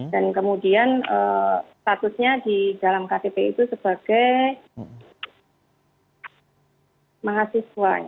dan kemudian statusnya di dalam ktp itu sebagai mahasiswa